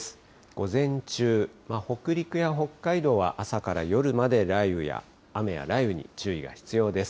午前中、北陸や北海道は朝から夜まで雨や雷雨に注意が必要です。